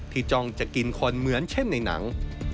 จ้องจะกินคนเหมือนเช่นในหนัง